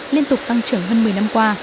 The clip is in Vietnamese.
liên tục tăng trưởng hơn một mươi năm qua